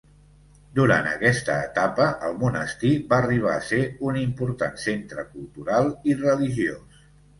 Durant aquesta etapa el monestir va arribar a ser un important centre cultural i religiós.